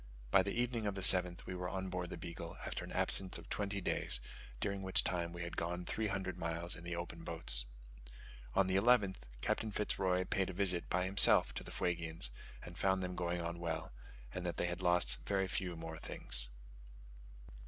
By the evening of the 7th we were on board the Beagle after an absence of twenty days, during which time we had gone three hundred miles in the open boats. On the 11th, Captain Fitz Roy paid a visit by himself to the Fuegians and found them going on well; and that they had lost very few more things.